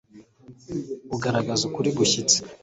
ugaragaza ukuri gushyitse